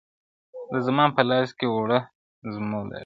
د زمان په لاس کي اوړمه زمولېږم-